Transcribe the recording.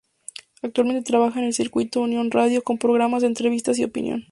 Actualmente trabaja en el circuito Unión Radio, con programas de entrevistas y opinión.